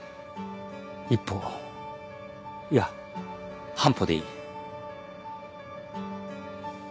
一歩いや半歩でいい。